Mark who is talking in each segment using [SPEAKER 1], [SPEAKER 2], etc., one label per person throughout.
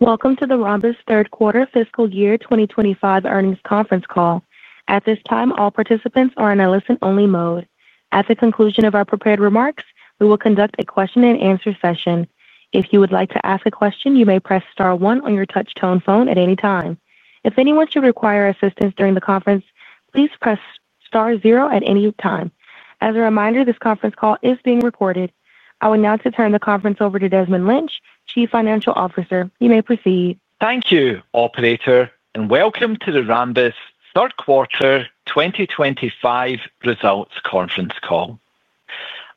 [SPEAKER 1] Welcome to the Rambus Third Quarter Fiscal Year 2025 Earnings Conference Call. At this time, all participants are in a listen-only mode. At the conclusion of our prepared remarks, we will conduct a question-and-answer session. If you would like to ask a question, you may press star one on your touch-tone phone at any time. If anyone should require assistance during the conference, please press star zero at any time. As a reminder, this conference call is being recorded. I will now turn the conference over to Desmond Lynch, Chief Financial Officer. You may proceed.
[SPEAKER 2] Thank you, operator, and welcome to the Rambus Third Quarter 2025 Results Conference Call.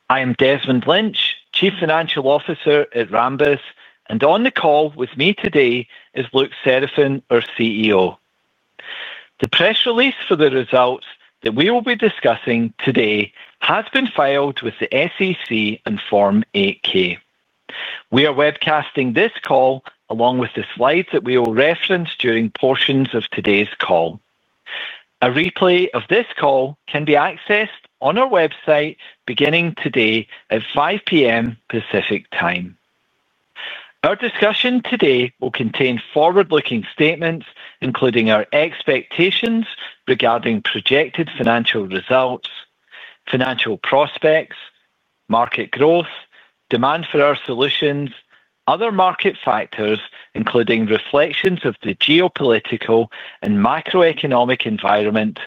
[SPEAKER 2] I am Desmond Lynch, Chief Financial Officer at Rambus, and on the call with me today is Luc Seraphin, our CEO. The press release for the results that we will be discussing today has been filed with the SEC in Form 8-K. We are webcasting this call along with the slides that we will reference during portions of today's call. A replay of this call can be accessed on our website beginning today at 5:00 P.M. Pacific Time. Our discussion today will contain forward-looking statements, including our expectations regarding projected financial results, financial prospects, market growth, demand for our solutions, and other market factors, including reflections of the geopolitical and macroeconomic environment,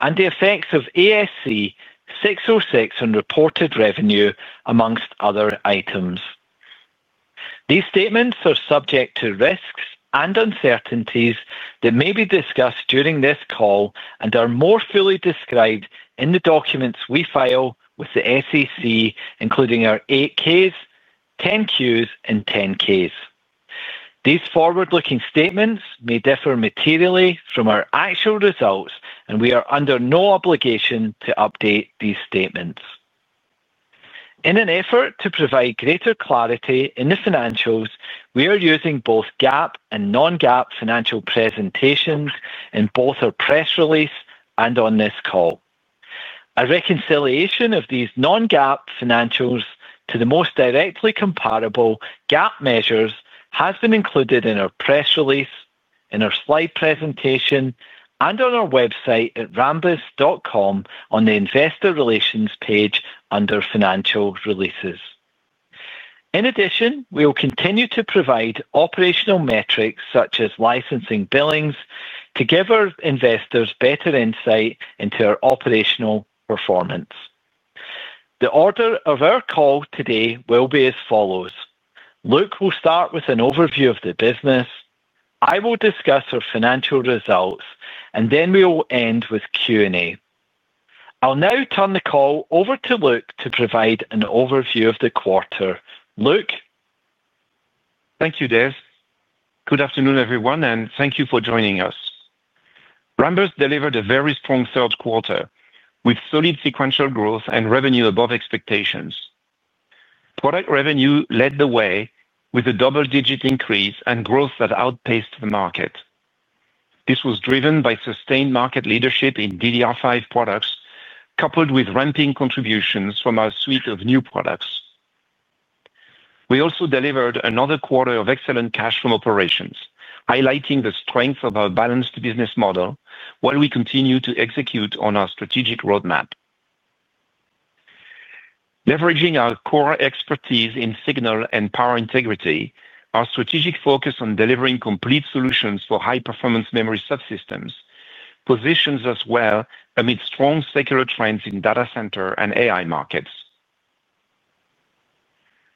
[SPEAKER 2] and the effects of ASC 606 on reported revenue, amongst other items. These statements are subject to risks and uncertainties that may be discussed during this call and are more fully described in the documents we file with the SEC, including our 8-Ks, 10-Qs, and 10-Ks. These forward-looking statements may differ materially from our actual results, and we are under no obligation to update these statements. In an effort to provide greater clarity in the financials, we are using both GAAP and non-GAAP financial presentations in both our press release and on this call. A reconciliation of these non-GAAP financials to the most directly comparable GAAP measures has been included in our press release, in our slide presentation, and on our website at rambus.com on the Investor Relations page under Financial Releases. In addition, we will continue to provide operational metrics such as licensing billings to give our investors better insight into our operational performance. The order of our call today will be as follows: Luc will start with an overview of the business, I will discuss our financial results, and then we will end with Q&A. I'll now turn the call over to Luc to provide an overview of the quarter. Luc?
[SPEAKER 3] Thank you, Des. Good afternoon, everyone, and thank you for joining us. Rambus delivered a very strong third quarter with solid sequential growth and revenue above expectations. Product revenue led the way with a double-digit increase and growth that outpaced the market. This was driven by sustained market leadership in DDR5 products, coupled with ramping contributions from our suite of new products. We also delivered another quarter of excellent cash from operations, highlighting the strength of our balanced business model while we continue to execute on our strategic roadmap. Leveraging our core expertise in signal and power integrity, our strategic focus on delivering complete solutions for high-performance memory subsystems positions us well amid strong secular trends in data center and AI markets.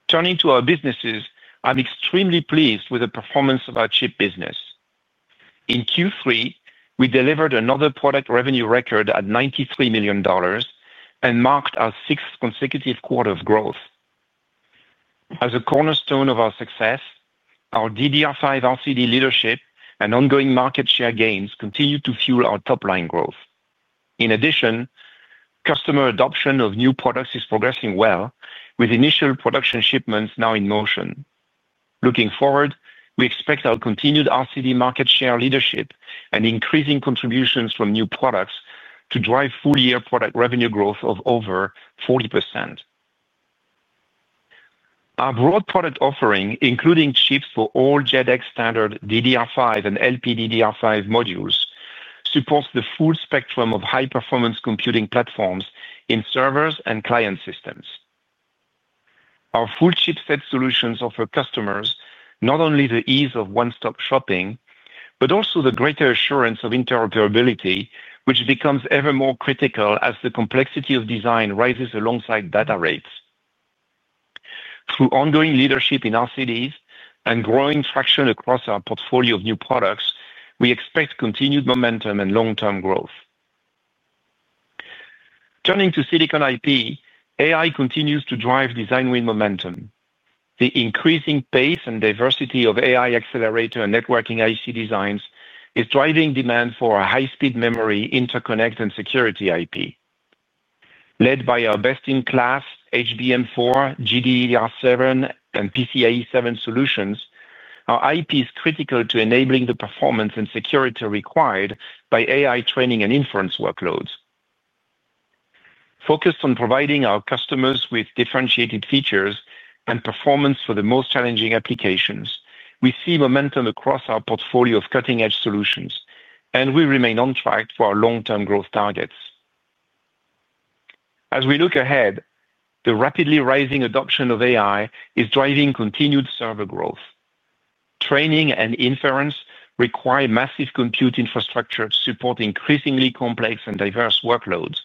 [SPEAKER 3] Turning to our businesses, I'm extremely pleased with the performance of our chip business. In Q3, we delivered another product revenue record at $93 million and marked our sixth consecutive quarter of growth. As a cornerstone of our success, our DDR5 RCD leadership and ongoing market share gains continue to fuel our top-line growth. In addition, customer adoption of new products is progressing well, with initial production shipments now in motion. Looking forward, we expect our continued RCD market share leadership and increasing contributions from new products to drive full-year product revenue growth of over 40%. Our broad product offering, including chips for all JEDEC standard DDR5 and LPDDR5 modules, supports the full spectrum of high-performance computing platforms in servers and client systems. Our full chipset solutions offer customers not only the ease of one-stop shopping but also the greater assurance of interoperability, which becomes ever more critical as the complexity of design rises alongside data rates. Through ongoing leadership in RCDs and growing traction across our portfolio of new products, we expect continued momentum and long-term growth. Turning to silicon IP, AI continues to drive design win momentum. The increasing pace and diversity of AI accelerator and networking IC designs is driving demand for high-speed memory, interconnect, and security IP. Led by our best-in-class HBM4, GDDR7, and PCIe7 solutions, our IP is critical to enabling the performance and security required by AI training and inference workloads. Focused on providing our customers with differentiated features and performance for the most challenging applications, we see momentum across our portfolio of cutting-edge solutions, and we remain on track for our long-term growth targets. As we look ahead, the rapidly rising adoption of AI is driving continued server growth. Training and inference require massive compute infrastructure to support increasingly complex and diverse workloads.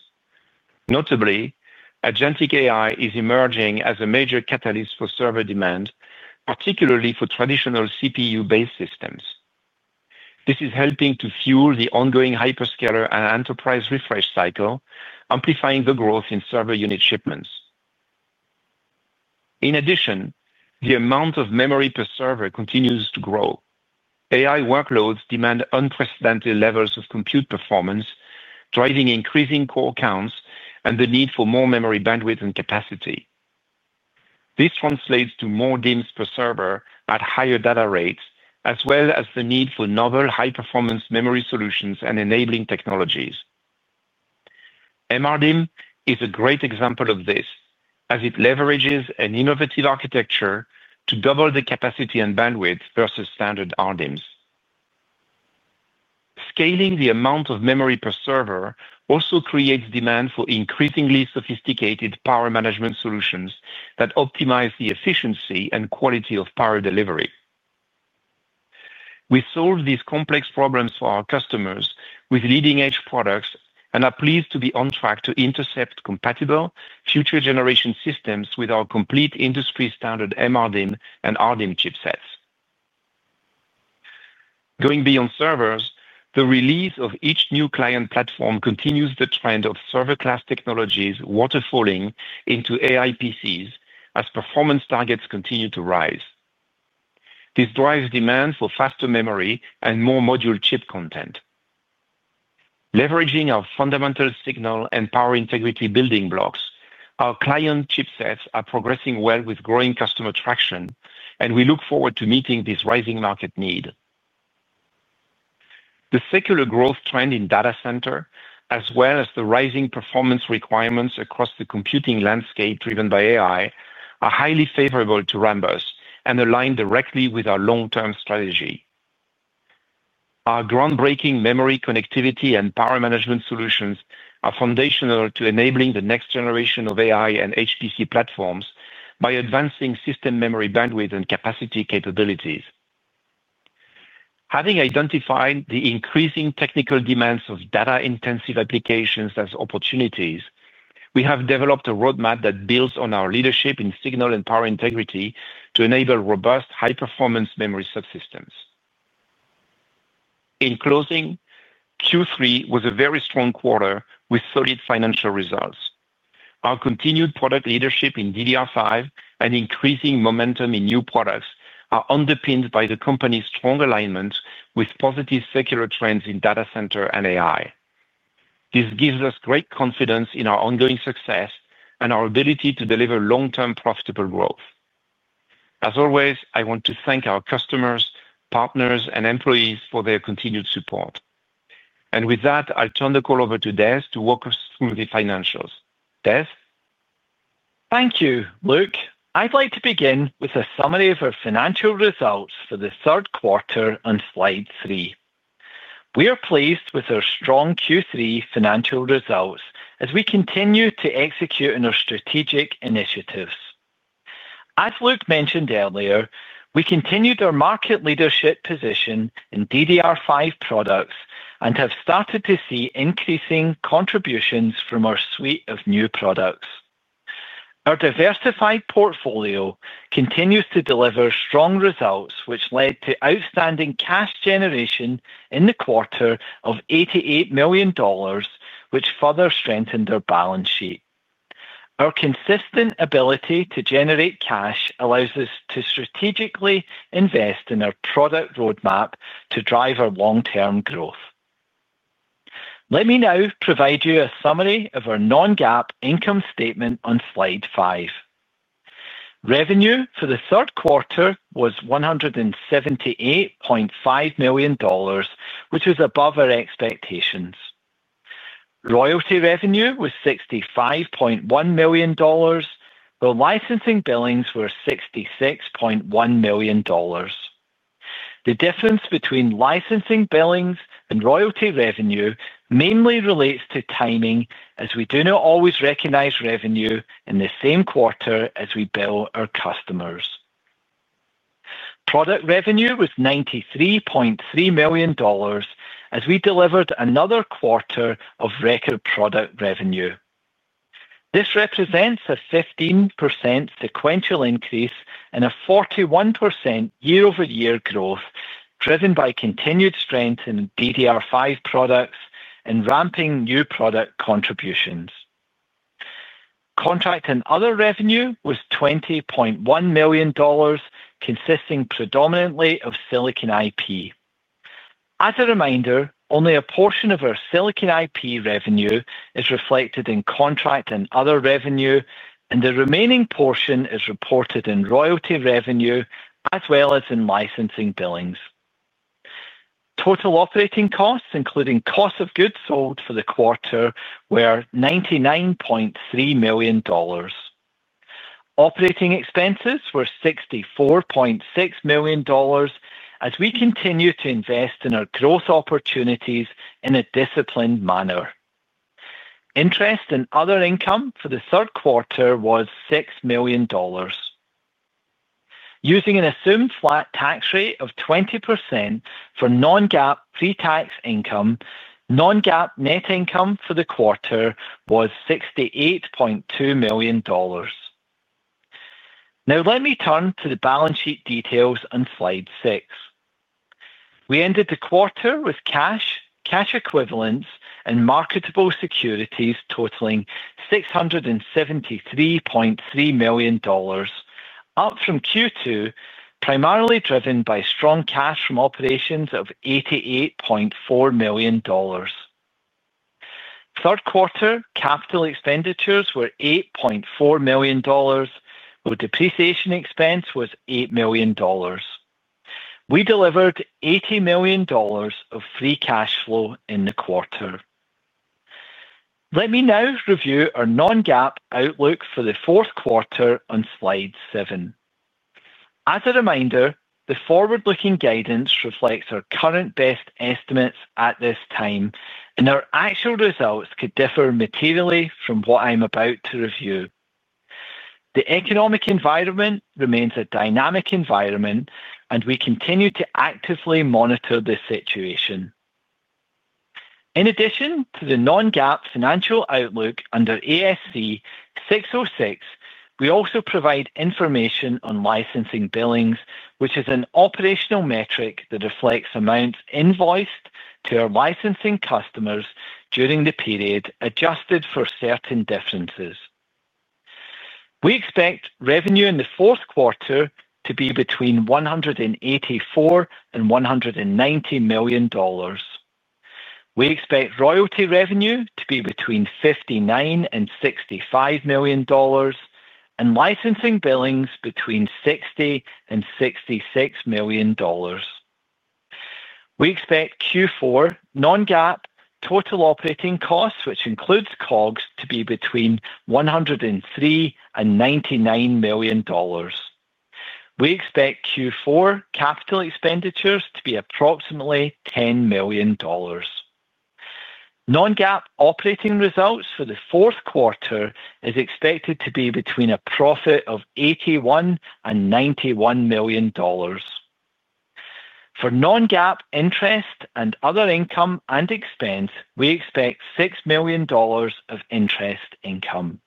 [SPEAKER 3] Notably, Agentic AI is emerging as a major catalyst for server demand, particularly for traditional CPU-based systems. This is helping to fuel the ongoing hyperscaler and enterprise refresh cycle, amplifying the growth in server unit shipments. In addition, the amount of memory per server continues to grow. AI workloads demand unprecedented levels of compute performance, driving increasing core counts and the need for more memory bandwidth and capacity. This translates to more DIMMs per server at higher data rates, as well as the need for novel high-performance memory solutions and enabling technologies. MRDIMM is a great example of this, as it leverages an innovative architecture to double the capacity and bandwidth versus standard RDIMMs. Scaling the amount of memory per server also creates demand for increasingly sophisticated power management solutions that optimize the efficiency and quality of power delivery. We solve these complex problems for our customers with leading-edge products and are pleased to be on track to intercept compatible future generation systems with our complete industry standard MRDIMM and RDIMM chipsets. Going beyond servers, the release of each new client platform continues the trend of server-class technologies waterfalling into AI PCs as performance targets continue to rise. This drives demand for faster memory and more module chip content. Leveraging our fundamental signal and power integrity building blocks, our client chipsets are progressing well with growing customer traction, and we look forward to meeting this rising market need. The secular growth trend in data center, as well as the rising performance requirements across the computing landscape driven by AI, are highly favorable to Rambus and align directly with our long-term strategy. Our groundbreaking memory connectivity and power management solutions are foundational to enabling the next generation of AI and HPC platforms by advancing system memory bandwidth and capacity capabilities. Having identified the increasing technical demands of data-intensive applications as opportunities, we have developed a roadmap that builds on our leadership in signal and power integrity to enable robust high-performance memory subsystems. In closing, Q3 was a very strong quarter with solid financial results. Our continued product leadership in DDR5 and increasing momentum in new products are underpinned by the company's strong alignment with positive secular trends in data center and AI. This gives us great confidence in our ongoing success and our ability to deliver long-term profitable growth. I want to thank our customers, partners, and employees for their continued support. With that, I'll turn the call over to Des to walk us through the financials. Des?
[SPEAKER 2] Thank you, Luc. I'd like to begin with a summary of our financial results for the third quarter on slide three. We are pleased with our strong Q3 financial results as we continue to execute on our strategic initiatives. As Luc mentioned earlier, we continued our market leadership position in DDR5 products and have started to see increasing contributions from our suite of new products. Our diversified portfolio continues to deliver strong results, which led to outstanding cash generation in the quarter of $88 million, which further strengthened our balance sheet. Our consistent ability to generate cash allows us to strategically invest in our product roadmap to drive our long-term growth. Let me now provide you a summary of our non-GAAP income statement on slide five. Revenue for the third quarter was $178.5 million, which was above our expectations. Royalty revenue was $65.1 million, while licensing billings were $66.1 million. The difference between licensing billings and royalty revenue mainly relates to timing, as we do not always recognize revenue in the same quarter as we bill our customers. Product revenue was $93.3 million, as we delivered another quarter of record product revenue. This represents a 15% sequential increase and a 41% year-over-year growth driven by continued strength in DDR5 products and ramping new product contributions. Contract and other revenue was $20.1 million, consisting predominantly of silicon IP. As a reminder, only a portion of our silicon IP revenue is reflected in contract and other revenue, and the remaining portion is reported in royalty revenue as well as in licensing billings. Total operating costs, including cost of goods sold for the quarter, were $99.3 million. Operating expenses were $64.6 million, as we continue to invest in our growth opportunities in a disciplined manner. Interest and other income for the third quarter was $6 million. Using an assumed flat tax rate of 20% for non-GAAP pre-tax income, non-GAAP net income for the quarter was $68.2 million. Now, let me turn to the balance sheet details on slide six. We ended the quarter with cash, cash equivalents, and marketable securities totaling $673.3 million, up from Q2, primarily driven by strong cash from operations of $88.4 million. Third quarter capital expenditures were $8.4 million, with depreciation expense of $8 million. We delivered $80 million of free cash flow in the quarter. Let me now review our non-GAAP outlook for the fourth quarter on slide seven. As a reminder, the forward-looking guidance reflects our current best estimates at this time, and our actual results could differ materially from what I'm about to review. The economic environment remains a dynamic environment, and we continue to actively monitor this situation. In addition to the non-GAAP financial outlook under ASC 606, we also provide information on licensing billings, which is an operational metric that reflects amounts invoiced to our licensing customers during the period adjusted for certain differences. We expect revenue in the fourth quarter to be between $184 million and $190 million. We expect royalty revenue to be between $59 million and $65 million, and licensing billings between $60 million and $66 million. We expect Q4 non-GAAP total operating costs, which includes COGS, to be between $99 million and $103 million. We expect Q4 capital expenditures to be approximately $10 million. Non-GAAP operating results for the fourth quarter are expected to be between a profit of $81 million and $91 million. For non-GAAP interest and other income and expense, we expect $6 million of interest income.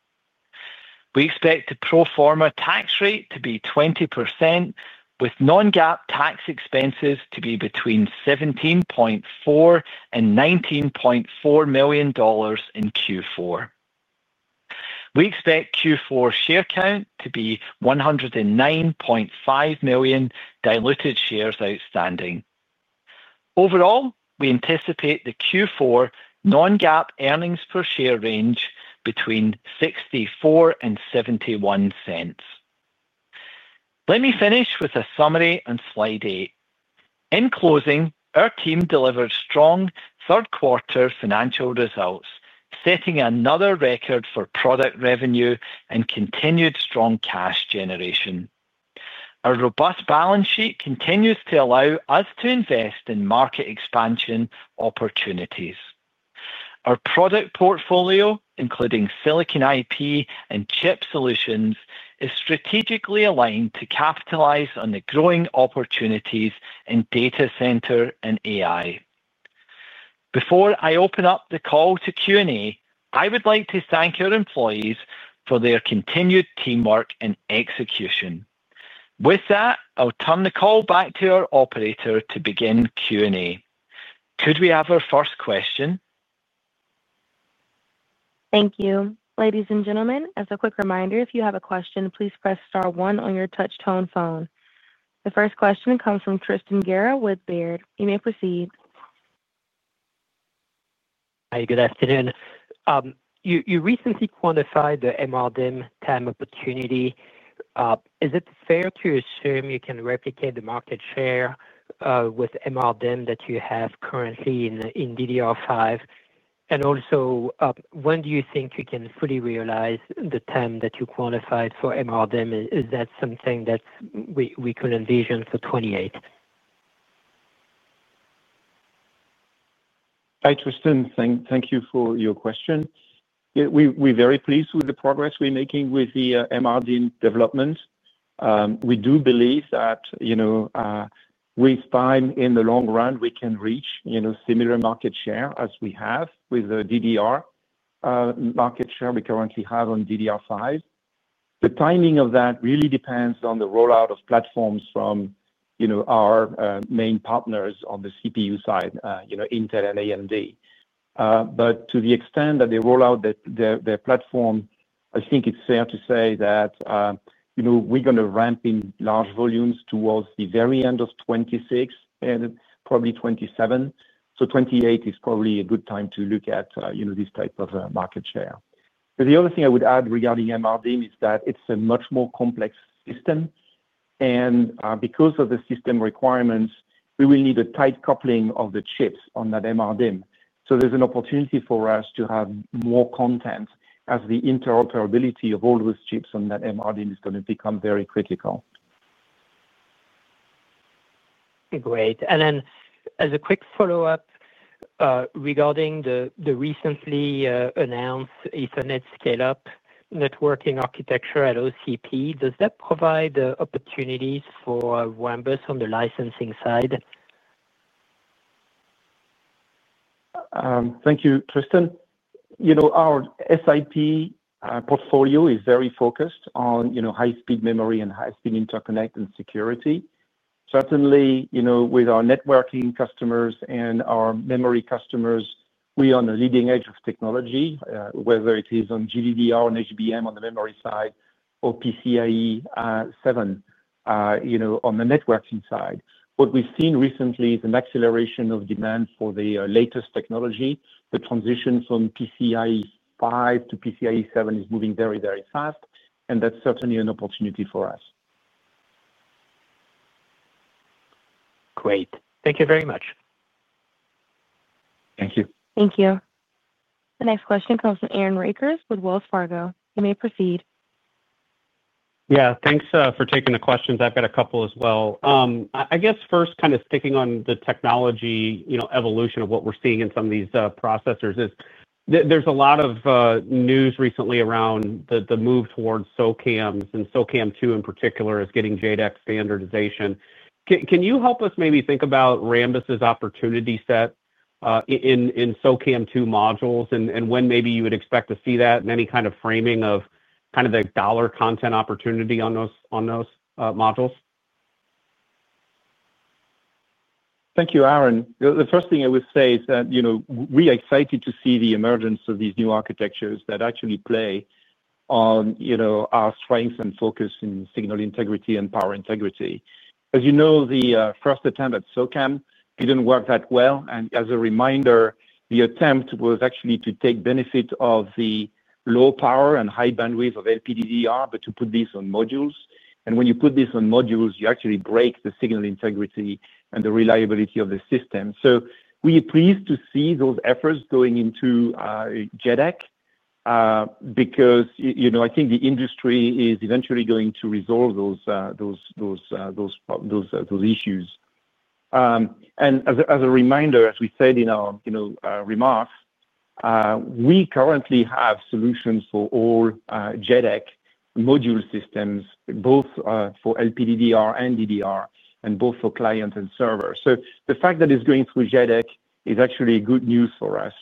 [SPEAKER 2] We expect the pro forma tax rate to be 20%, with non-GAAP tax expenses to be between $17.4 million and $19.4 million in Q4. We expect Q4 share count to be 109.5 million diluted shares outstanding. Overall, we anticipate the Q4 non-GAAP earnings per share range between $0.64 and $0.71. Let me finish with a summary on slide eight. In closing, our team delivered strong third-quarter financial results, setting another record for product revenue and continued strong cash generation. Our robust balance sheet continues to allow us to invest in market expansion opportunities. Our product portfolio, including silicon IP and chip solutions, is strategically aligned to capitalize on the growing opportunities in data center and AI. Before I open up the call to Q&A, I would like to thank our employees for their continued teamwork and execution. With that, I'll turn the call back to our operator to begin Q&A. Could we have our first question?
[SPEAKER 1] Thank you. Ladies and gentlemen, as a quick reminder, if you have a question, please press star one on your touch-tone phone. The first question comes from Tristan Gerra with Baird. You may proceed.
[SPEAKER 4] Hi, good afternoon. You recently quantified the MRDIMM TAM opportunity. Is it fair to assume you can replicate the market share with MRDIMM that you have currently in DDR5? Also, when do you think you can fully realize the TAM that you quantified for MRDIMM? Is that something that we could envision for 2028?
[SPEAKER 3] Hi, Tristan. Thank you for your question. Yeah, we're very pleased with the progress we're making with the MRDIMM development. We do believe that, you know, with time in the long run, we can reach, you know, similar market share as we have with the DDR, market share we currently have on DDR5. The timing of that really depends on the rollout of platforms from, you know, our main partners on the CPU side, you know, Intel and AMD. To the extent that they roll out their platform, I think it's fair to say that, you know, we're going to ramp in large volumes towards the very end of 2026 and probably 2027. 2028 is probably a good time to look at, you know, this type of market share. The other thing I would add regarding MRDIMM is that it's a much more complex system. Because of the system requirements, we will need a tight coupling of the chips on that MRDIMM. There's an opportunity for us to have more content as the interoperability of all those chips on that MRDIMM is going to become very critical.
[SPEAKER 4] Great. As a quick follow-up, regarding the recently announced Ethernet scale-up networking architecture at OCP, does that provide opportunities for Rambus on the licensing side?
[SPEAKER 3] Thank you, Tristan. Our silicon IP portfolio is very focused on high-speed memory, high-speed interconnect, and security. Certainly, with our networking customers and our memory customers, we are on the leading edge of technology, whether it is on GDDR and HBM on the memory side or PCIe7 on the networking side. What we've seen recently is an acceleration of demand for the latest technology. The transition from PCIe5 to PCIe7 is moving very, very fast, and that's certainly an opportunity for us.
[SPEAKER 4] Great. Thank you very much.
[SPEAKER 3] Thank you.
[SPEAKER 1] Thank you. The next question comes from Aaron Rakers with Wells Fargo. You may proceed.
[SPEAKER 5] Yeah, thanks for taking the questions. I've got a couple as well. I guess first, kind of sticking on the technology, you know, evolution of what we're seeing in some of these processors is there's a lot of news recently around the move towards SOCAMs, and SOCAM2 in particular is getting JEDEC standardization. Can you help us maybe think about Rambus's opportunity set in SOCAM2 modules and when maybe you would expect to see that in any kind of framing of kind of the dollar content opportunity on those modules?
[SPEAKER 3] Thank you, Aaron. The first thing I would say is that we are excited to see the emergence of these new architectures that actually play on our strengths and focus in signal integrity and power integrity. As you know, the first attempt at SOCAM didn't work that well. As a reminder, the attempt was actually to take benefit of the low power and high bandwidth of LPDDR, but to put this on modules. When you put this on modules, you actually break the signal integrity and the reliability of the system. We are pleased to see those efforts going into JEDEC because I think the industry is eventually going to resolve those issues. As a reminder, as we said in our remarks, we currently have solutions for all JEDEC module systems, both for LPDDR and DDR, and both for client and server. The fact that it's going through JEDEC is actually good news for us.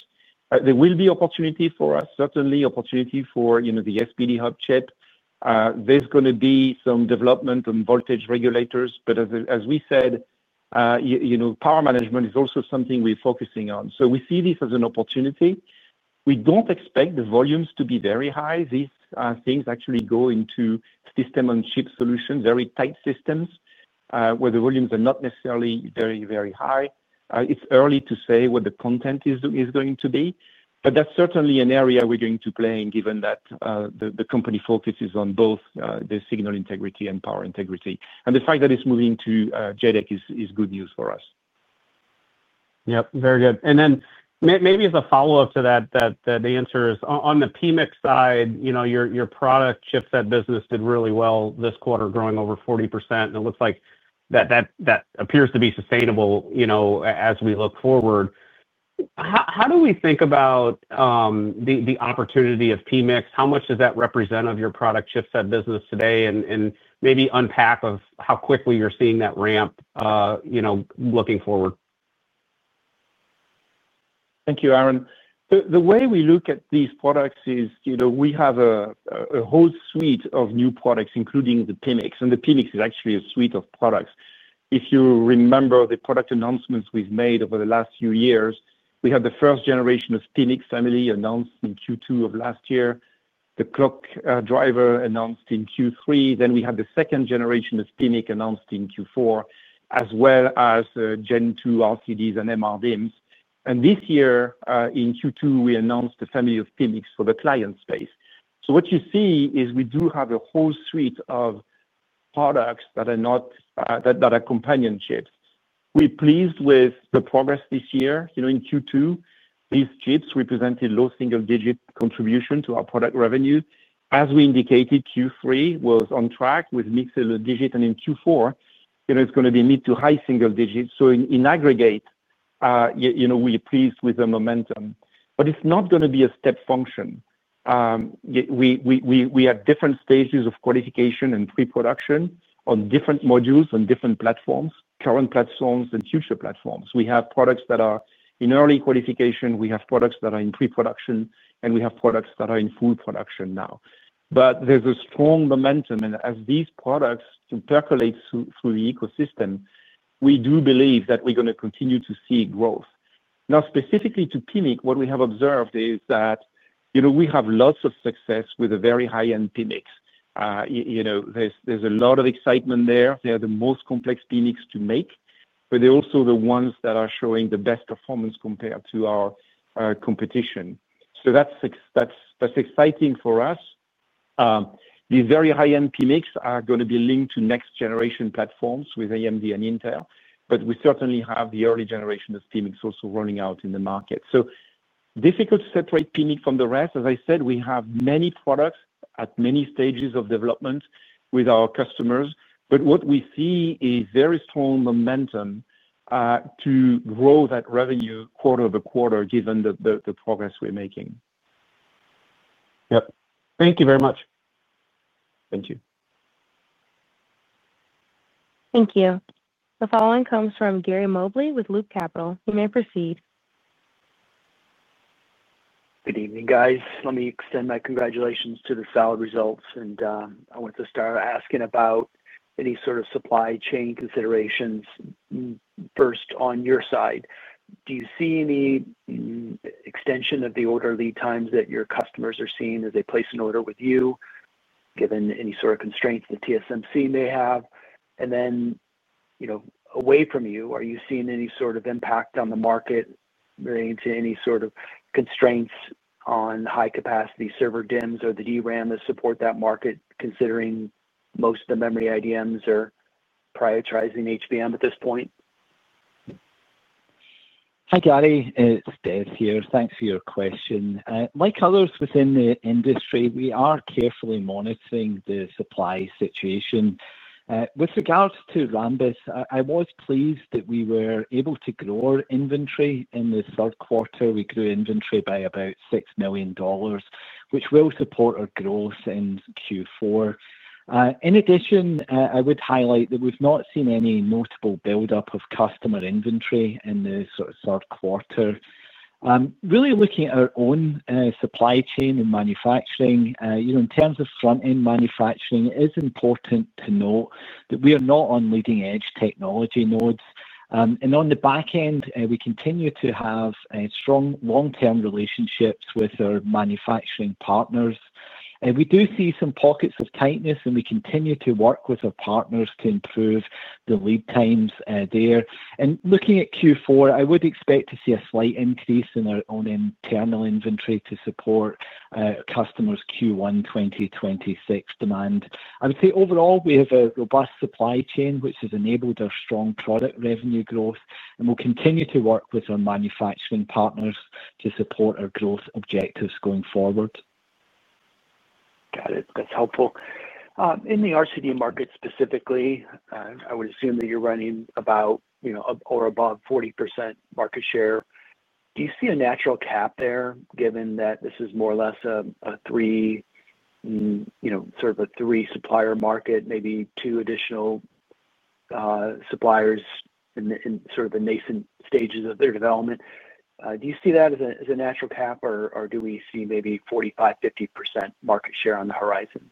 [SPEAKER 3] There will be opportunity for us, certainly opportunity for the SPD Hub chip. There's going to be some development on voltage regulators, but as we said, power management is also something we're focusing on. We see this as an opportunity. We don't expect the volumes to be very high. These things actually go into system and chip solutions, very tight systems where the volumes are not necessarily very, very high. It's early to say what the content is going to be, but that's certainly an area we're going to play in given that the company focuses on both the signal integrity and power integrity. The fact that it's moving to JEDEC is good news for us.
[SPEAKER 5] Yep, very good. Maybe as a follow-up to that, the answer is on the PMICs side, you know, your product chipset business did really well this quarter, growing over 40%. It looks like that appears to be sustainable, you know, as we look forward. How do we think about the opportunity of PMICs? How much does that represent of your product chipset business today? Maybe unpack how quickly you're seeing that ramp, you know, looking forward.
[SPEAKER 3] Thank you, Aaron. The way we look at these products is, you know, we have a whole suite of new products, including the PMICs. And the PMICs is actually a suite of products. If you remember the product announcements we've made over the last few years, we had the first generation of PMICs family announced in Q2 of last year, the clock driver announced in Q3. Then we had the second generation of PMICs announced in Q4, as well as Gen 2 LCDs and MRDIMMs. This year, in Q2, we announced the family of PMICs for the client space. What you see is we do have a whole suite of products that are companion chips. We're pleased with the progress this year. In Q2, these chips represented low single-digit contribution to our product revenue. As we indicated, Q3 was on track with mid single-digit, and in Q4, it's going to be mid to high single digits. In aggregate, we are pleased with the momentum. It's not going to be a step function. We have different stages of qualification and pre-production on different modules, on different platforms, current platforms, and future platforms. We have products that are in early qualification, we have products that are in pre-production, and we have products that are in full production now. There's a strong momentum. As these products percolate through the ecosystem, we do believe that we're going to continue to see growth. Now, specifically to PMICs, what we have observed is that we have lots of success with a very high-end PMIC. There's a lot of excitement there. They are the most complex PMICs to make, but they're also the ones that are showing the best performance compared to our competition. That's exciting for us. These very high-end PMICs are going to be linked to next-generation platforms with AMD and Intel, but we certainly have the early generation of PMICs also running out in the market. It's difficult to separate PMICs from the rest. As I said, we have many products at many stages of development with our customers, but what we see is very strong momentum to grow that revenue quarter by quarter, given the progress we're making.
[SPEAKER 5] Thank you very much.
[SPEAKER 3] Thank you.
[SPEAKER 1] Thank you. The following comes from Gary Mobley with Loop Capital. You may proceed.
[SPEAKER 6] Good evening, guys. Let me extend my congratulations to the solid results. I want to start asking about any sort of supply chain considerations first on your side. Do you see any extension of the order lead times that your customers are seeing as they place an order with you, given any sort of constraints that TSMC may have? Away from you, are you seeing any sort of impact on the market relating to any sort of constraints on high-capacity server DIMMs or the DRAM to support that market, considering most of the memory IDMs are prioritizing HBM at this point?
[SPEAKER 2] Thanks for your question. Like others within the industry, we are carefully monitoring the supply situation. With regards to Rambus, I was pleased that we were able to grow our inventory in the third quarter. We grew inventory by about $6 million, which will support our growth in Q4. In addition, I would highlight that we've not seen any notable buildup of customer inventory in the third quarter. Really looking at our own supply chain and manufacturing, in terms of front-end manufacturing, it is important to note that we are not on leading-edge technology nodes. On the back end, we continue to have strong long-term relationships with our manufacturing partners. We do see some pockets of tightness, and we continue to work with our partners to improve the lead times there. Looking at Q4, I would expect to see a slight increase in our own internal inventory to support customers' Q1 2026 demand. I would say overall, we have a robust supply chain, which has enabled our strong product revenue growth, and we'll continue to work with our manufacturing partners to support our growth objectives going forward.
[SPEAKER 6] Got it. That's helpful. In the RCD market specifically, I would assume that you're running about, you know, or above 40% market share. Do you see a natural cap there, given that this is more or less a three, you know, sort of a three-supplier market, maybe two additional suppliers in sort of the nascent stages of their development? Do you see that as a natural cap, or do we see maybe 45%, 50% market share on the horizon?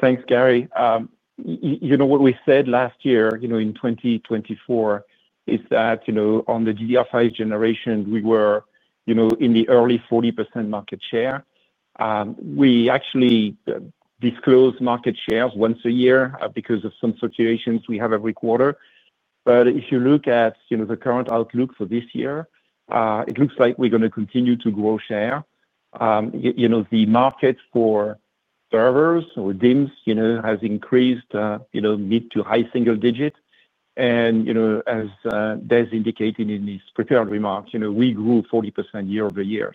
[SPEAKER 3] Thanks, Gary. What we said last year in 2024 is that on the DDR5 generation, we were in the early 40% market share. We actually disclose market shares once a year because of some situations we have every quarter. If you look at the current outlook for this year, it looks like we're going to continue to grow share. The market for servers or DIMMs has increased mid to high single digit, and as Des indicated in his prepared remarks, we grew 40% year-over-year.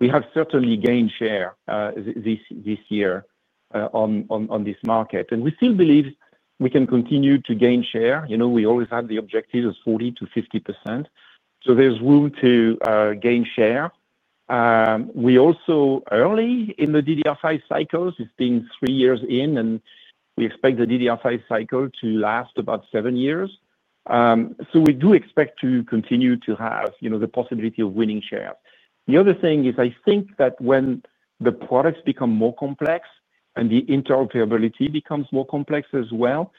[SPEAKER 3] We have certainly gained share this year on this market, and we still believe we can continue to gain share. We always have the objective of 40%-50%, so there's room to gain share. We're also early in the DDR5 cycles. It's been three years in, and we expect the DDR5 cycle to last about seven years. We do expect to continue to have the possibility of winning shares. The other thing is I think that when the products become more complex and the interoperability becomes more complex as well,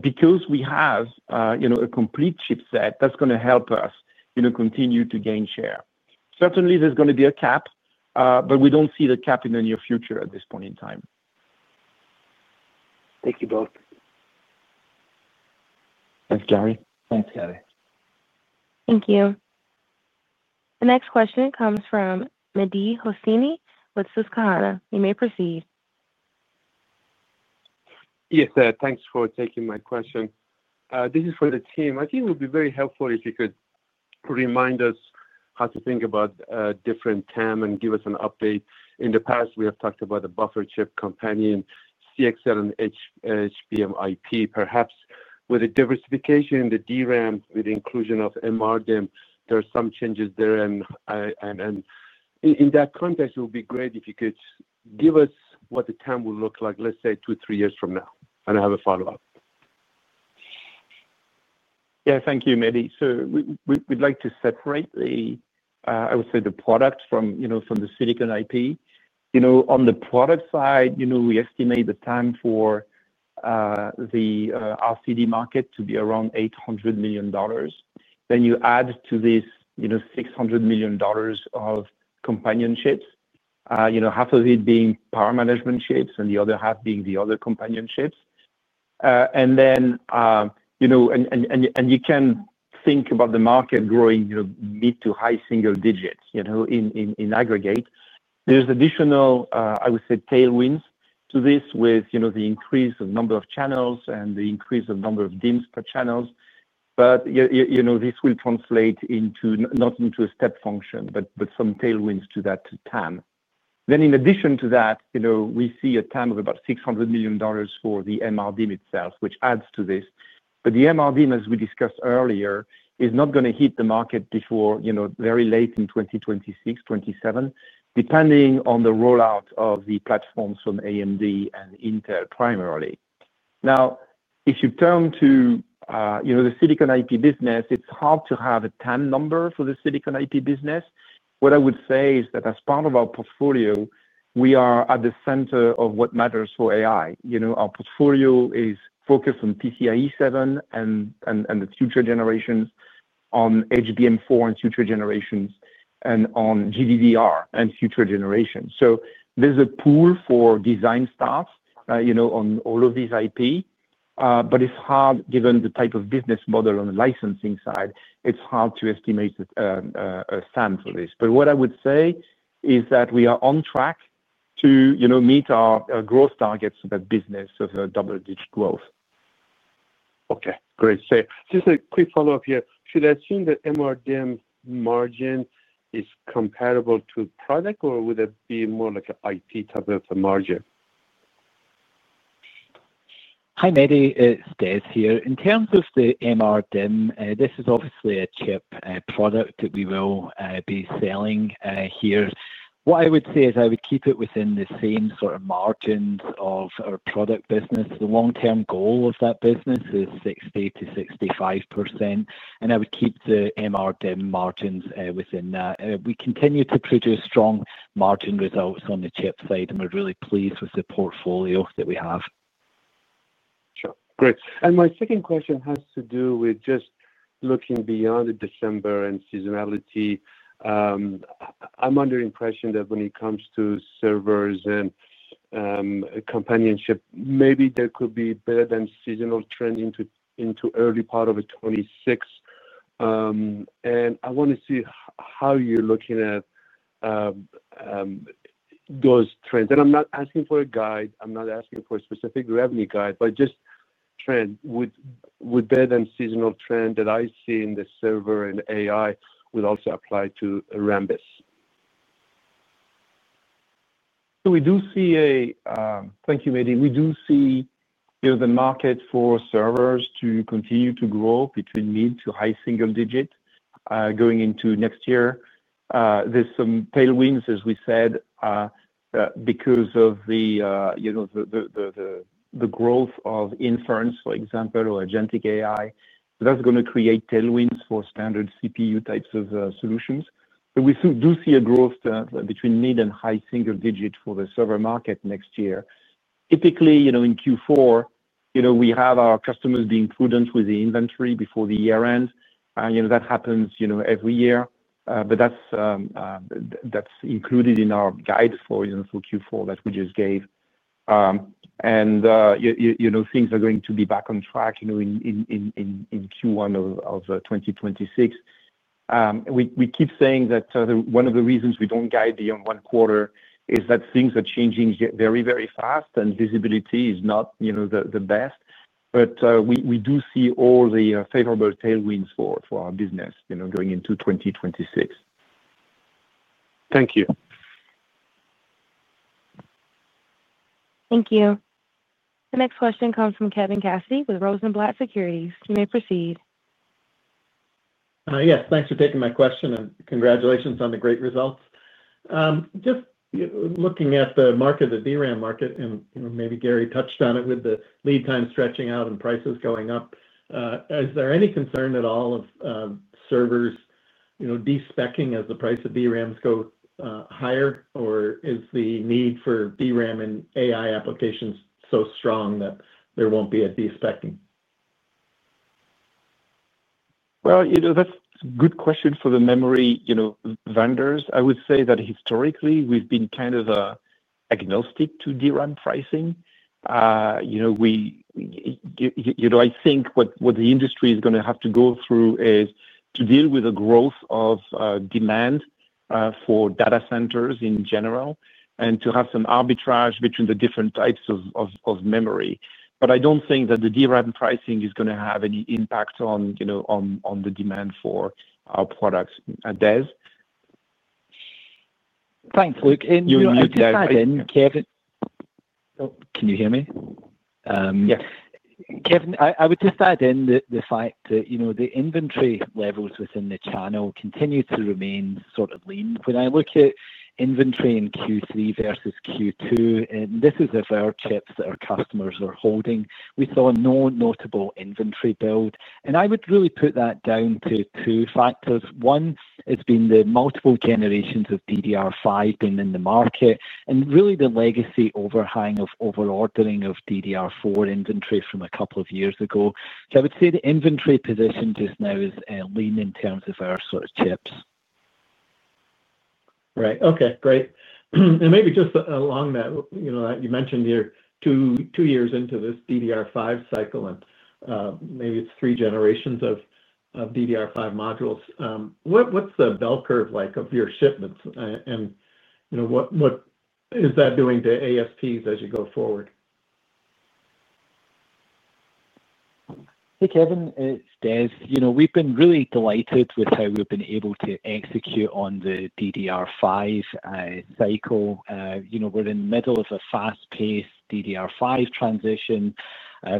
[SPEAKER 3] because we have a complete chipset, that's going to help us continue to gain share. Certainly, there's going to be a cap, but we don't see the cap in the near future at this point in time.
[SPEAKER 6] Thank you both.
[SPEAKER 3] Thanks, Gary.
[SPEAKER 2] Thanks, Gary.
[SPEAKER 1] Thank you. The next question comes from Mehdi Hosseini with Susquehanna. You may proceed.
[SPEAKER 7] Yes, thanks for taking my question. This is for the team. I think it would be very helpful if you could remind us how to think about different TAM and give us an update. In the past, we have talked about the buffer chip companion, CXL, and HBM IP. Perhaps with the diversification in the DRAM, with the inclusion of MRDIMM, there are some changes there. In that context, it would be great if you could give us what the TAM will look like, let's say, two or three years from now. I have a follow-up.
[SPEAKER 3] Yeah. Thank you, Mehdi. We'd like to separate the, I would say, the product from, you know, from the silicon IP. On the product side, we estimate the TAM for the RCD market to be around $800 million. Then you add to this $600 million of companion chips, half of it being power management chips and the other half being the other companion chips. You can think about the market growing mid to high single digits in aggregate. There are additional, I would say, tailwinds to this with the increase of number of channels and the increase of number of DIMMs per channel. This will translate not into a step function, but some tailwinds to that TAM. In addition to that, we see a TAM of about $600 million for the MRDIMM itself, which adds to this. The MRDIMM, as we discussed earlier, is not going to hit the market before very late in 2026, 2027, depending on the rollout of the platforms from AMD and Intel primarily. Now, if you turn to the silicon IP business, it's hard to have a TAM number for the silicon IP business. What I would say is that as part of our portfolio, we are at the center of what matters for AI. Our portfolio is focused on PCIe7 and the future generations, on HBM4 and future generations, and on GDDR and future generations. There's a pull for design staff on all of these IP. Given the type of business model on the licensing side, it's hard to estimate a TAM for this. What I would say is that we are on track to meet our growth targets of that business of double-digit growth.
[SPEAKER 7] Okay, great. Just a quick follow-up here. Should I assume that MRDIMM margin is comparable to product, or would it be more like an IP type of margin?
[SPEAKER 2] Hi, Mehdi. It's Des here. In terms of the MRDIMM, this is obviously a chip product that we will be selling here. What I would say is I would keep it within the same sort of margins of our product business. The long-term goal of that business is 60%-65%. I would keep the MRDIMM margins within that. We continue to produce strong margin results on the chip side. We're really pleased with the portfolio that we have.
[SPEAKER 7] Sure. Great. My second question has to do with just looking beyond the December and seasonality. I'm under the impression that when it comes to servers and companionship, maybe there could be better than seasonal trends into early part of 2026. I want to see how you're looking at those trends. I'm not asking for a guide. I'm not asking for a specific revenue guide, just trends. Would better than seasonal trends that I see in the server and AI also apply to Rambus?
[SPEAKER 3] We do see, thank you, Mehdi, we do see the market for servers continue to grow between mid to high single digit going into next year. There are some tailwinds, as we said, because of the growth of inference, for example, or Agentic AI. That's going to create tailwinds for standard CPU types of solutions. We do see a growth between mid and high single digit for the server market next year. Typically, in Q4, we have our customers being prudent with the inventory before the year-end. That happens every year. That's included in our guide for Q4 that we just gave. Things are going to be back on track in Q1 of 2026. We keep saying that one of the reasons we don't guide beyond one quarter is that things are changing very, very fast and visibility is not the best. We do see all the favorable tailwinds for our business going into 2026. Thank you.
[SPEAKER 1] Thank you. The next question comes from Kevin Cassidy with Rosenblatt Securities. You may proceed.
[SPEAKER 8] Yes, thanks for taking my question and congratulations on the great results. Just looking at the market, the DRAM market, and you know, maybe Gary touched on it with the lead times stretching out and prices going up. Is there any concern at all of servers, you know, despecing as the price of DRAMs go higher, or is the need for DRAM and AI applications so strong that there won't be a despecing?
[SPEAKER 3] That's a good question for the memory vendors. I would say that historically, we've been kind of agnostic to DRAM pricing. I think what the industry is going to have to go through is to deal with the growth of demand for data centers in general and to have some arbitrage between the different types of memory. I don't think that the DRAM pricing is going to have any impact on the demand for our products. Des?
[SPEAKER 2] Thanks, Luc. Just to add in, Kevin, can you hear me?
[SPEAKER 8] Yes.
[SPEAKER 2] Kevin, I would just add in the fact that, you know, the inventory levels within the channel continue to remain sort of lean. When I look at inventory in Q3 versus Q2, and this is of our chips that our customers are holding, we saw no notable inventory build. I would really put that down to two factors. One, it's been the multiple generations of DDR5 being in the market and really the legacy overhang of over-ordering of DDR4 inventory from a couple of years ago. I would say the inventory position just now is lean in terms of our sort of chips.
[SPEAKER 8] Right. Okay, great. Maybe just along that, you mentioned you're two years into this DDR5 cycle, and maybe it's three generations of DDR5 modules. What's the bell curve like of your shipments? What is that doing to ASPs as you go forward?
[SPEAKER 2] Hey, Kevin. It's Des. We've been really delighted with how we've been able to execute on the DDR5 cycle. We're in the middle of a fast-paced DDR5 transition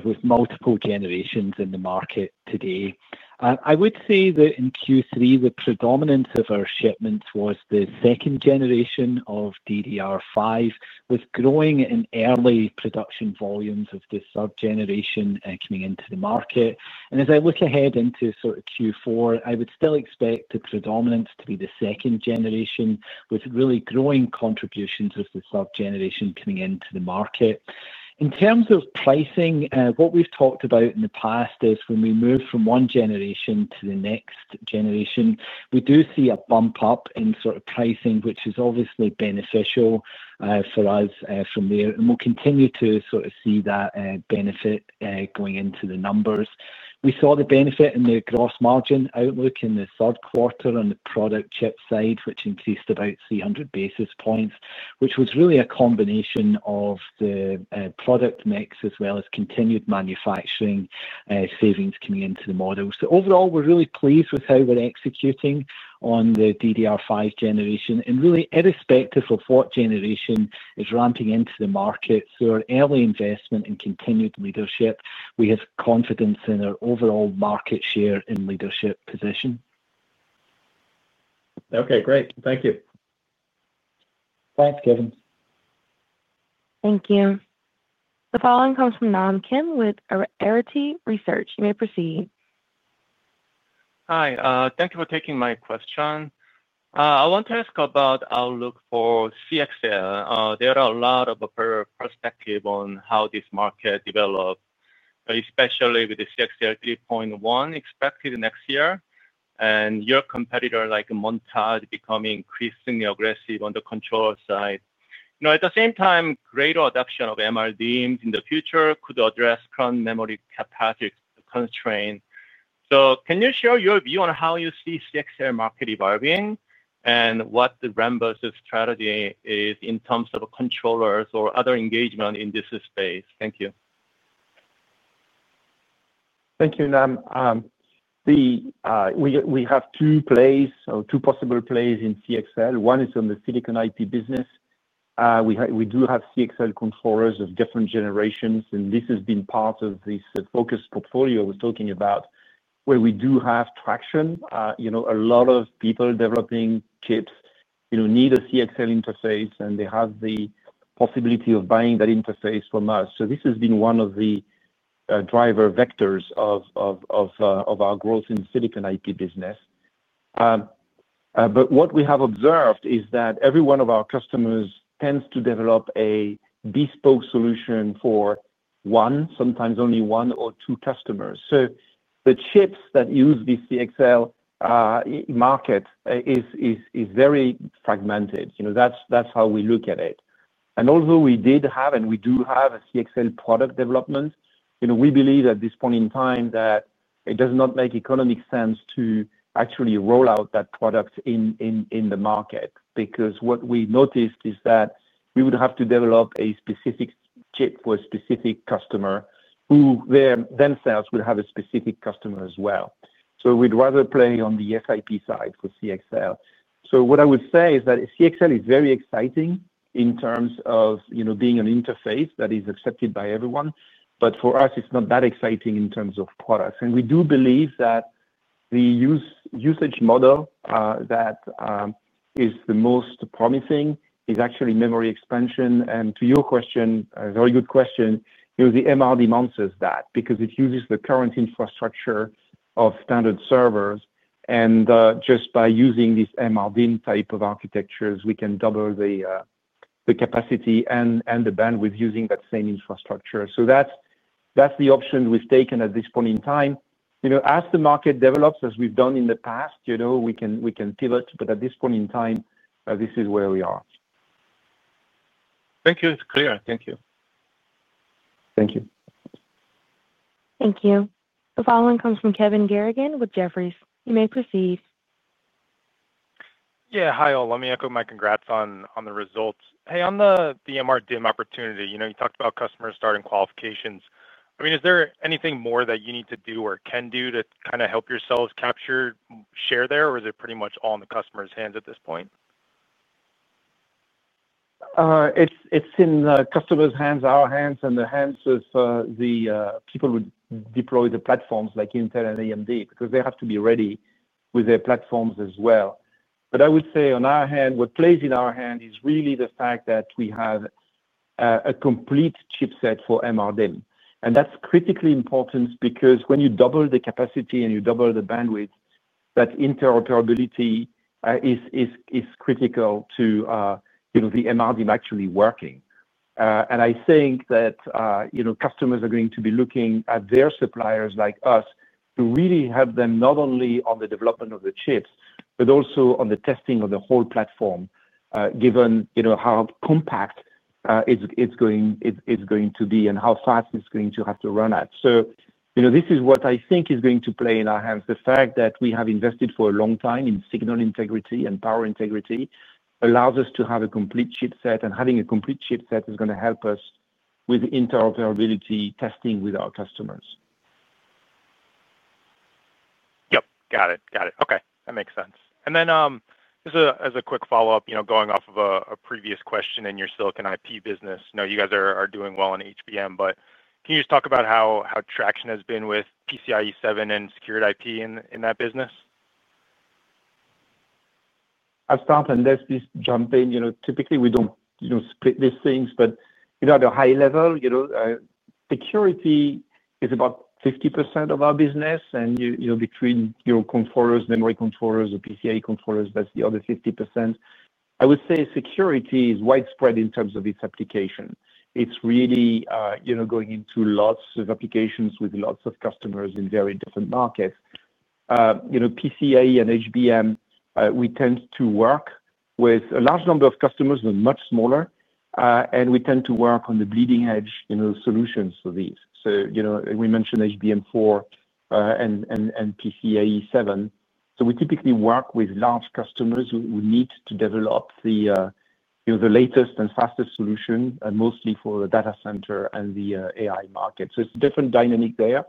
[SPEAKER 2] with multiple generations in the market today. I would say that in Q3, the predominance of our shipments was the second generation of DDR5, with growing and early production volumes of the third generation coming into the market. As I look ahead into Q4, I would still expect the predominance to be the second generation, with really growing contributions of the third generation coming into the market. In terms of pricing, what we've talked about in the past is when we move from one generation to the next generation, we do see a bump up in pricing, which is obviously beneficial for us from there. We'll continue to see that benefit going into the numbers. We saw the benefit in the gross margin outlook in the third quarter on the product chip side, which increased about 300 basis points, which was really a combination of the product mix as well as continued manufacturing savings coming into the model. Overall, we're really pleased with how we're executing on the DDR5 generation. Irrespective of what generation is ramping into the market, through our early investment and continued leadership, we have confidence in our overall market share and leadership position.
[SPEAKER 8] Okay, great. Thank you.
[SPEAKER 2] Thanks, Kevin.
[SPEAKER 1] Thank you. The following comes from Nam Kim with Arete Research. You may proceed.
[SPEAKER 9] Hi. Thank you for taking my question. I want to ask about the outlook for CXL. There are a lot of perspectives on how this market develops, especially with the CXL 3.1 expected next year, and your competitor like Montage becoming increasingly aggressive on the controller side. At the same time, greater adoption of MRDIMMs in the future could address current memory capacity constraints. Can you share your view on how you see the CXL market evolving and what the Rambus strategy is in terms of controllers or other engagement in this space? Thank you.
[SPEAKER 3] Thank you, Nam. We have two plays or two possible plays in CXL. One is on the silicon IP business. We do have CXL controllers of different generations, and this has been part of this focus portfolio I was talking about, where we do have traction. A lot of people developing chips need a CXL interface, and they have the possibility of buying that interface from us. This has been one of the driver vectors of our growth in the silicon IP business. What we have observed is that every one of our customers tends to develop a bespoke solution for one, sometimes only one or two customers. The chips that use the CXL market are very fragmented. That's how we look at it. Although we did have and we do have a CXL product development, we believe at this point in time that it does not make economic sense to actually roll out that product in the market because what we noticed is that we would have to develop a specific chip for a specific customer who themselves would have a specific customer as well. We'd rather play on the IP side for CXL. What I would say is that CXL is very exciting in terms of being an interface that is accepted by everyone. For us, it's not that exciting in terms of products. We do believe that the usage model that is the most promising is actually memory expansion. To your question, a very good question, the MRDIMM answers that because it uses the current infrastructure of standard servers. Just by using this MRDIMM type of architectures, we can double the capacity and the bandwidth using that same infrastructure. That's the option we've taken at this point in time. As the market develops, as we've done in the past, we can pivot, but at this point in time, this is where we are.
[SPEAKER 9] Thank you. It's clear. Thank you.
[SPEAKER 3] Thank you.
[SPEAKER 1] Thank you. The following comes from Kevin Garrigan with Jefferies. You may proceed.
[SPEAKER 10] Hi, all. Let me echo my congrats on the results. On the MRDIMM opportunity, you talked about customers starting qualifications. Is there anything more that you need to do or can do to kind of help yourselves capture share there, or is it pretty much all in the customer's hands at this point?
[SPEAKER 3] It's in the customer's hands, our hands, and the hands of the people who deploy the platforms like Intel and AMD because they have to be ready with their platforms as well. I would say on our hand, what plays in our hand is really the fact that we have a complete chipset for MRDIMM. That's critically important because when you double the capacity and you double the bandwidth, that interoperability is critical to the MRDIMM actually working. I think that customers are going to be looking at their suppliers like us to really help them not only on the development of the chips, but also on the testing of the whole platform, given how compact it's going to be and how fast it's going to have to run at. This is what I think is going to play in our hands. The fact that we have invested for a long time in signal integrity and power integrity allows us to have a complete chipset, and having a complete chipset is going to help us with interoperability testing with our customers.
[SPEAKER 10] Got it. Okay. That makes sense. Just as a quick follow-up, going off of a previous question in your silicon IP business, you know, you guys are doing well in HBM, but can you just talk about how traction has been with PCIe7 and secured IP in that business?
[SPEAKER 3] I'll start, and Des just jump in. Typically, we don't split these things, but at a high level, security is about 50% of our business. Between your controllers, memory controllers, or PCIe controllers, that's the other 50%. I would say security is widespread in terms of its application. It's really going into lots of applications with lots of customers in very different markets. PCIe and HBM, we tend to work with a large number of customers, but much smaller. We tend to work on the bleeding-edge solutions for these. We mentioned HBM4 and PCIe7. We typically work with large customers who need to develop the latest and fastest solution, mostly for the data center and the AI market. It's a different dynamic there.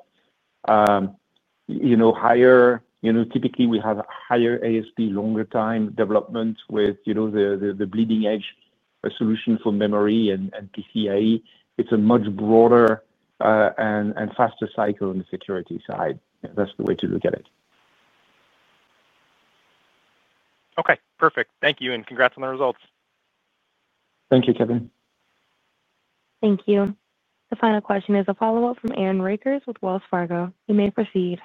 [SPEAKER 3] Typically, we have a higher ASP, longer time development with the bleeding-edge solution for memory and PCIe. It's a much broader and faster cycle on the security side. That's the way to look at it.
[SPEAKER 10] Okay. Perfect. Thank you, and congrats on the results.
[SPEAKER 3] Thank you, Kevin.
[SPEAKER 1] Thank you. The final question is a follow-up from Aaron Rakers with Wells Fargo. You may proceed.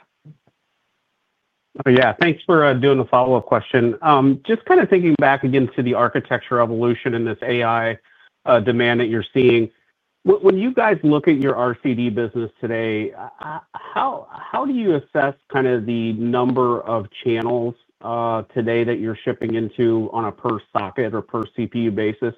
[SPEAKER 5] Yeah. Thanks for doing the follow-up question. Just kind of thinking back again to the architecture evolution and this AI demand that you're seeing, when you guys look at your RCD business today, how do you assess kind of the number of channels today that you're shipping into on a per socket or per CPU basis,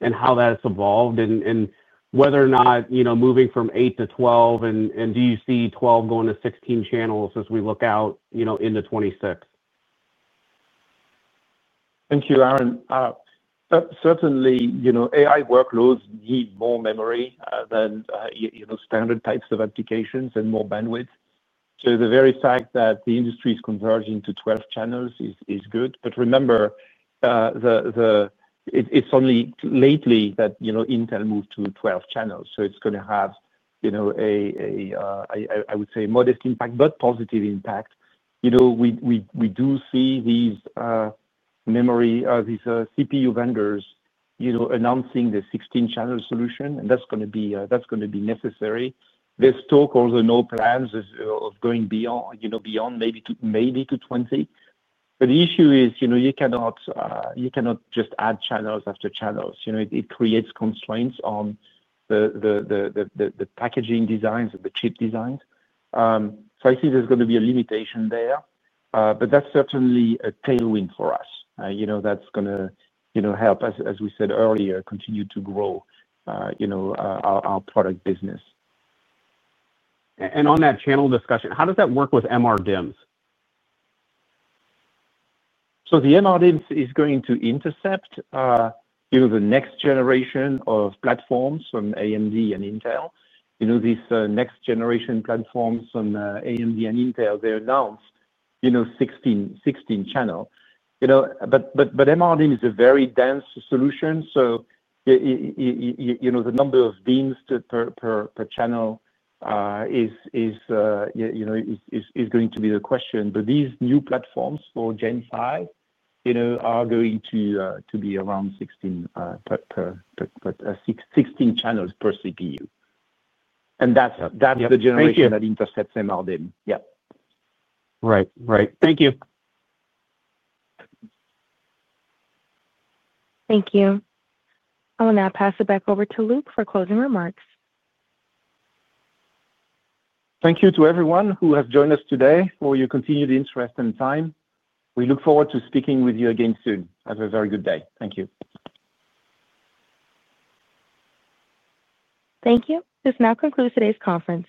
[SPEAKER 5] and how that's evolved and whether or not, you know, moving from 8 to 12, and do you see 12 going to 16 channels as we look out, you know, into 2026?
[SPEAKER 3] Thank you, Aaron. Certainly, you know, AI workloads need more memory than, you know, standard types of applications and more bandwidth. The very fact that the industry is converging to 12 channels is good. Remember, it's only lately that, you know, Intel moved to 12 channels. It's going to have, you know, a, I would say, modest impact, but positive impact. We do see these memory, these CPU vendors, you know, announcing the 16-channel solution, and that's going to be necessary. There's still, of course, no plans of going beyond, you know, beyond maybe to 20. The issue is, you know, you cannot just add channels after channels. It creates constraints on the packaging designs and the chip designs. I see there's going to be a limitation there, but that's certainly a tailwind for us. That's going to, you know, help us, as we said earlier, continue to grow, you know, our product business.
[SPEAKER 5] On that channel discussion, how does that work with MRDIMMs?
[SPEAKER 3] MRDIMMs is going to intercept the next generation of platforms from AMD and Intel. These next-generation platforms from AMD and Intel, they announced 16 channel. MRDIMM is a very dense solution, so the number of DIMMs per channel is going to be the question. These new platforms for Gen-5 are going to be around 16 channels per CPU. That's the generation that intercepts MRDIMM.
[SPEAKER 10] Right. Thank you.
[SPEAKER 1] Thank you. I will now pass it back over to Luc for closing remarks.
[SPEAKER 3] Thank you to everyone who has joined us today for your continued interest and time. We look forward to speaking with you again soon. Have a very good day. Thank you.
[SPEAKER 1] Thank you. This now concludes today's conference.